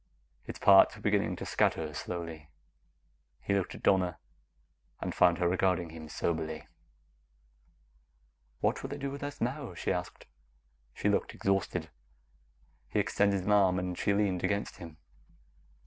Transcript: Its parts were beginning to scatter slowly. He looked at Donna, and found her regarding him soberly. "What will they do with us now?" she asked. She looked exhausted. He extended an arm, and she leaned against him.